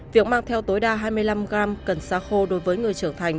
việc mang theo tối đa hai mươi năm gram cần xa khô đối với người trưởng thành